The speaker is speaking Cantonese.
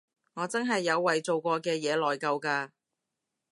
我真係有為做過嘅嘢內疚㗎